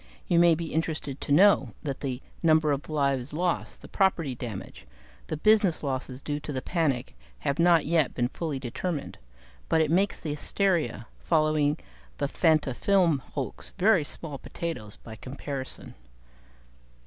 You may be interested to know that the number of lives lost, the property damage, the business losses due to the panic, have not yet been fully determined; but it makes the hysteria following the Fantafilm hoax very small potatoes by comparison.